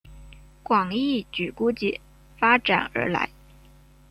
广义矩估计发展而来。